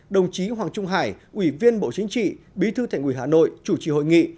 đồng chí hoàng trung hải ủy viên bộ chính trị bí thư thành ủy hà nội chủ trì hội nghị